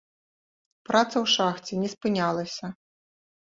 Праца ў шахце не спынялася.